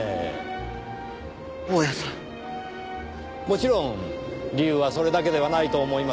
もちろん理由はそれだけではないと思いますよ。